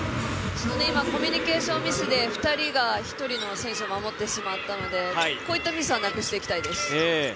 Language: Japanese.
今、コミュニケーションミスで２人の選手が１人を守ってしまったのでこういったミスはなくしていきたいです。